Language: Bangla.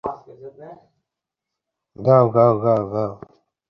সাম্প্রদায়িক এসব সহিংসতার জন্য বিচারহীনতার সংস্কৃতিকে মূল কারণ হিসেবে দেখছে মঞ্চ।